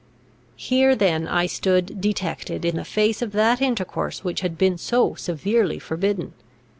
Here then I stood detected in the fact of that intercourse which had been so severely forbidden.